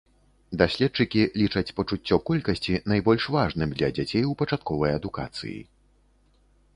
Даследчыкі лічаць пачуццё колькасці найбольш важным для дзяцей у пачатковай адукацыі.